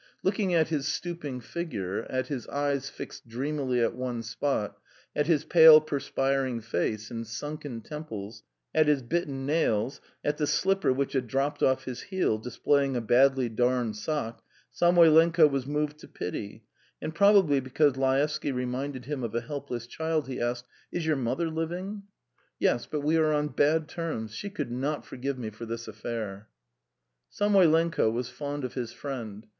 Looking at his stooping figure, at his eyes fixed dreamily at one spot, at his pale, perspiring face and sunken temples, at his bitten nails, at the slipper which had dropped off his heel, displaying a badly darned sock, Samoylenko was moved to pity, and probably because Laevsky reminded him of a helpless child, he asked: "Is your mother living?" "Yes, but we are on bad terms. She could not forgive me for this affair." Samoylenko was fond of his friend.